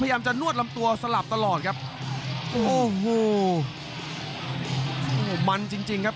พยายามจะนวดลำตัวสลับตลอดครับโอ้โหมันจริงจริงครับ